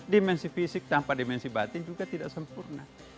dimensi fisik tanpa dimensi batin juga tidak sempurna